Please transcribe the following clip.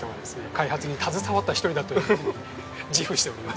開発に携わった一人だというふうに自負しております。